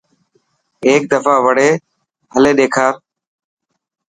هيڪ دفا وڙي هلي ڏيکار.